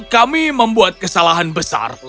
kami membuat kesalahan besar